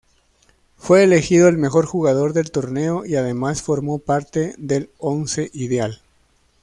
Fue elegido el mejor jugador del torneo, y además formó parte del once ideal.